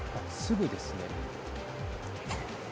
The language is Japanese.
すぐですね。